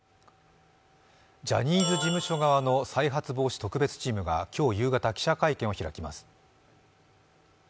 ジャニーズ事務所側の再発防止特別チームが今日夕方、記者会見を開きます。